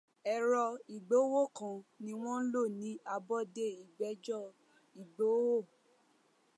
Ẹ̀rọ ìgbowó kan ni wọ́n lò ní àbọ̀dé ìgbẹ́jọ́ Ìgbòho